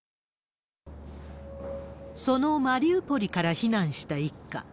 そのマリウポリから避難した一家。